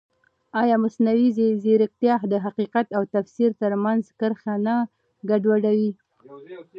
ایا مصنوعي ځیرکتیا د حقیقت او تفسیر ترمنځ کرښه نه ګډوډوي؟